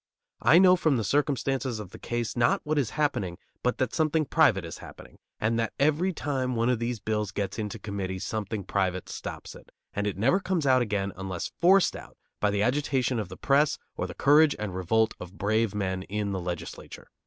I know from the circumstances of the case, not what is happening, but that something private is happening, and that every time one of these bills gets into committee, something private stops it, and it never comes out again unless forced out by the agitation of the press or the courage and revolt of brave men in the legislature.